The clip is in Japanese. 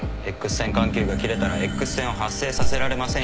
Ｘ線管球が切れたらＸ線を発生させられませんよ。